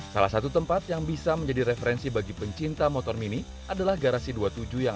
salah satu tempat yang bisa menjadi referensi bagi pencinta motor mini adalah garasi dua puluh tujuh yang